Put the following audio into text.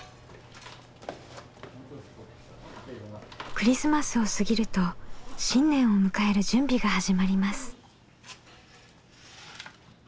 クリスマスを過ぎると新年を迎える準備が始まります。